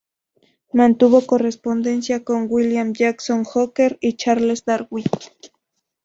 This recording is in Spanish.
Mantuvo correspondencia con William Jackson Hooker y Charles Darwin.